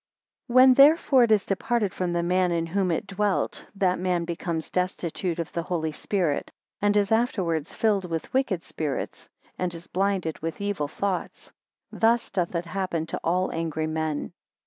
16 When, therefore, it is departed from the man in whom it dwelt, that man becomes destitute of the Holy Spirit, and is afterwards filled with wicked spirits, and is blinded with evil thoughts. Thus doth it happen to all angry men.